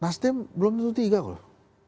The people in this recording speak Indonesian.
nasdem belum tentu tiga loh